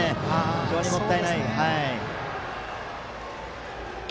非常にもったいない。